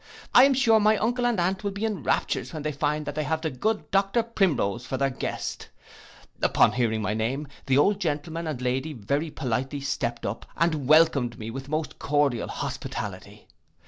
I am sure my uncle and aunt will be in raptures when they find they have the good Dr Primrose for their guest.' Upon hearing my name, the old gentleman and lady very politely stept up, and welcomed me with most cordial hospitality.